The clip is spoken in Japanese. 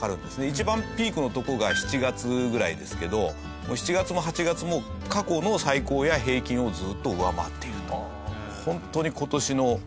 一番ピークのとこが７月ぐらいですけど７月も８月も過去の最高や平均をずーっと上回っていると。